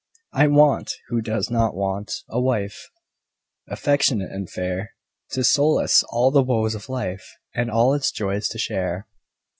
I want (who does not want?) a wife, Affectionate and fair; To solace all the woes of life, And all its joys to share.